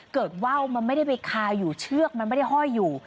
ว่าวมันไม่ได้ไปคาอยู่เชือกมันไม่ได้ห้อยอยู่